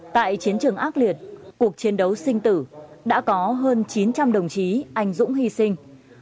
tại chiến trường ác liệt cuộc chiến đấu sinh tử đã có hơn chín trăm linh đồng chí anh dũng hy sinh